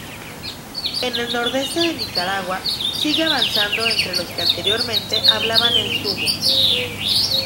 En el nordeste de Nicaragua, sigue avanzando entre los que anteriormente hablaban el Sumo.